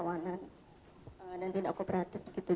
dan dararat tentu